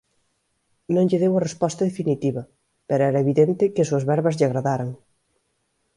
Non lle deu resposta definitiva, pero era evidente que as súas verbas lle agradaran.